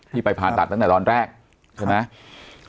ไปผ่าตัดตั้งแต่ตอนแรกใช่ไหม